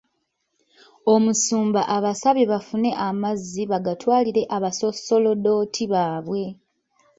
Omusumba abasabye bafune amazzi bagatwalire abasoosolodooti baabwe.